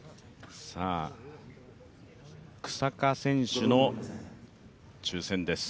草加選手の抽選です。